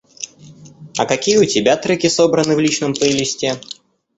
А какие у тебя треки собраны в личном плейлисте?